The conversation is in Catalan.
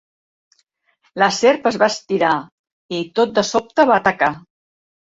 La serp es va estirar i, tot de sobte, va atacar.